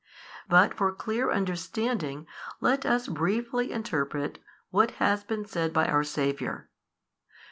But for clear understanding let us briefly interpret what has been said by our Saviour.